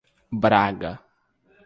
Braga